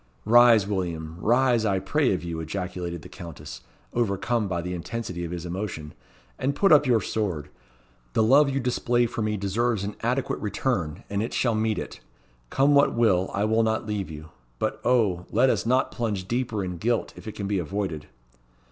"Rise, William! rise, I pray of you," ejaculated the Countess, overcome by the intensity of his emotion, "and put up your sword. The love you display for me deserves an adequate return, and it shall meet it. Come what will, I will not leave you. But, O! let us not plunge deeper in guilt if it can be avoided."